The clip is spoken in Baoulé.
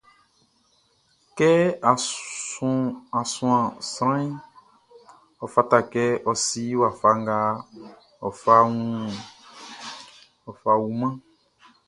Kɛ á súan sranʼn, ɔ fata kɛ a si wafa nga á fá ɔ wun mánʼn.